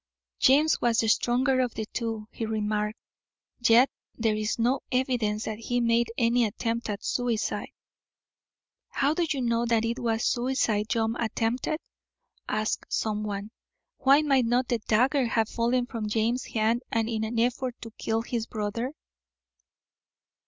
"James was the stronger of the two," he remarked; "yet there is no evidence that he made any attempt at suicide." "How do you know that it was suicide John attempted?" asked someone. "Why might not the dagger have fallen from James's hand in an effort to kill his brother?"